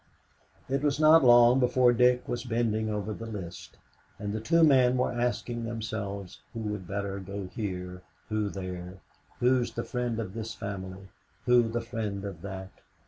It was not long before Dick was bending over the list; and the two men were asking themselves who would better go here, who there, who's the friend of this family, who the friend of that?